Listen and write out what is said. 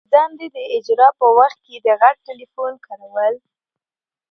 د دندي د اجرا په وخت کي د غټ ټلیفون کارول.